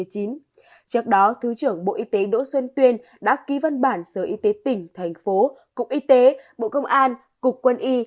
trước đó thứ trưởng bộ y tế đỗ xuân tuyên đã ký văn bản sở y tế tỉnh thành phố cục y tế bộ công an cục quân y